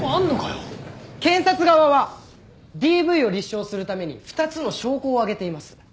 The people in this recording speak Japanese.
検察側はＤＶを立証するために２つの証拠を挙げています。